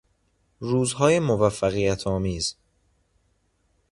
روزهای موفقیت آمیز